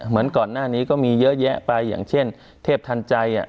เหมือนก่อนหน้านี้ก็มีเยอะแยะไปอย่างเช่นเทพทันใจ